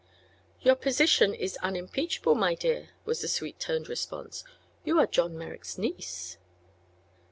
"Your position is unimpeachable, my dear," was the sweet toned response. "You are John Merrick's niece."